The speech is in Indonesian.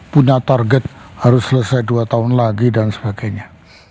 punya target harus selesai dua tahun lagi dan sebagainya